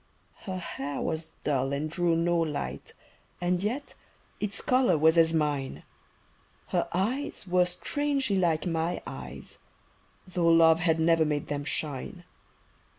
Her hair was dull and drew no light And yet its color was as mine; Her eyes were strangely like my eyes Tho' love had never made them shine.